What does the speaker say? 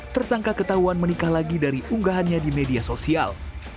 tersangka ketahuan menikah lagi dari unggahannya di media sosial